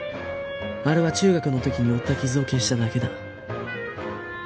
あれは中学の時に負った傷を消しただけだ